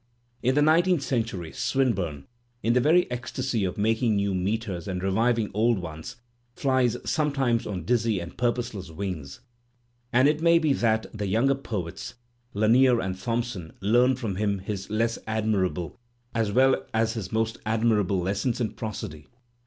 In the nineteenth century Swinburne, in the very ecstasy of making new meters and reviving old ones, flies sometimes on dizzy and purpose less wings, and it may be that the younger poets, Lanier and Thompson, learned from him his less admirable as well as his most admirable lessons in prosody.